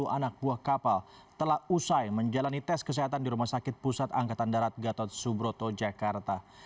sepuluh anak buah kapal telah usai menjalani tes kesehatan di rumah sakit pusat angkatan darat gatot subroto jakarta